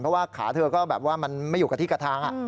เพราะว่าขาเธอก็แบบว่ามันไม่อยู่กับที่กระทาง